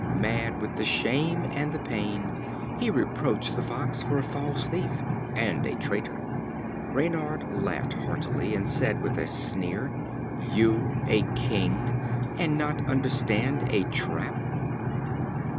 Mad with the shame and the pain, he reproached the Fox for a false thief and a traitor. Reynard laughed heartily, and said, with a sneer: "You a king, and not understand a trap!"